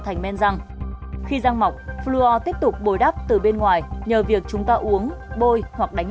thành men răng khi răng mọc floor tiếp tục bồi đắp từ bên ngoài nhờ việc chúng ta uống bôi hoặc đánh